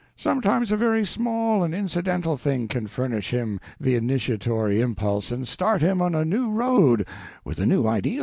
Sometimes a very small and accidental thing can furnish him the initiatory impulse and start him on a new road, with a new idea.